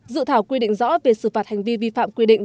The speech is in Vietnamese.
dự thảo quy định rõ về xử phạt hành vi vi phạm quy định